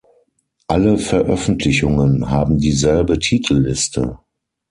Alle Veröffentlichungen haben dieselbe Titelliste.